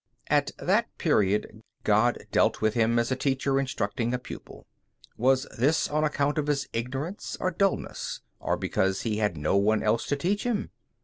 At that period God dealt with him as a teacher instructing a pupil. Was this on account of his ignorance or dulness, or because he had no one else to teach him?